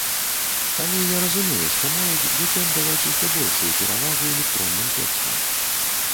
Але я разумею, што моладзь будзе аддаваць усё большую перавагу электронным тэкстам.